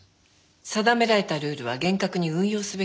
定められたルールは厳格に運用すべきだと思います。